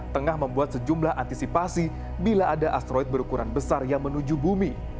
tengah membuat sejumlah antisipasi bila ada asteroid berukuran besar yang menuju bumi